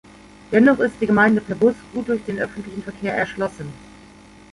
Dennoch ist die Gemeinde per Bus gut durch den Öffentlichen Verkehr erschlossen.